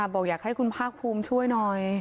บอกอยากให้คุณภาคภูมิช่วยหน่อย